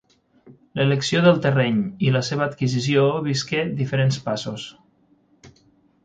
L'elecció del terreny i la seva adquisició visqué diferents passos.